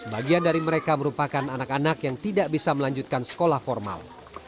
bagian dari mereka merupakan anak anak yang tidak bisa melanjutkan sekolah formal